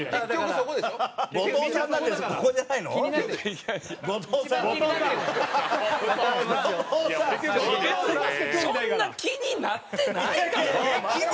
そんな気になってないから。